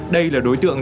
đây là đối tượng